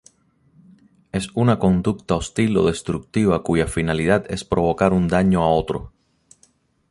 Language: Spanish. Es una conducta hostil o destructiva cuya finalidad es provocar un daño a otro.